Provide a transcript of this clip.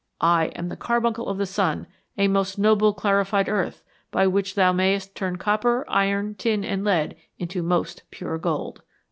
... I am the carbuncle of the sun, a most noble clarified earth, by which thou mayest turn copper, iron, tin and lead into most pure gold."